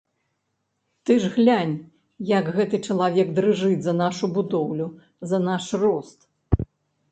Ты ж глянь, як гэты чалавек дрыжыць за нашу будоўлю, за наш рост.